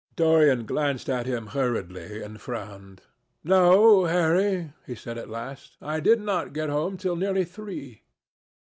Dorian glanced at him hurriedly and frowned. "No, Harry," he said at last, "I did not get home till nearly three."